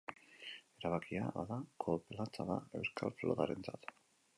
Erabakia, bada, kolpe latza da euskal flotarentzat.